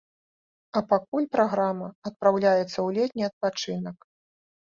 А пакуль праграма адпраўляецца ў летні адпачынак.